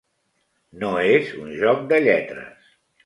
No és un joc de lletres.